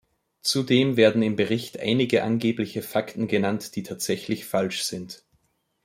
Zudem werden im Bericht einige angebliche Fakten genannt, die tatsächlich falsch sind.